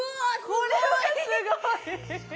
これはすごい！